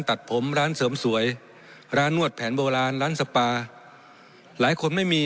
ตัดผมร้านเสริมสวยร้านนวดแผนโบราณร้านสปาหลายคนไม่มี